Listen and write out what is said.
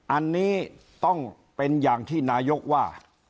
อันนี้ต้องเป็นอย่างที่นายกว่า